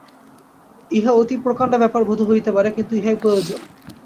ইহা অতি প্রকাণ্ড ব্যাপার বোধ হইতে পারে, কিন্তু ইহাই প্রয়োজন।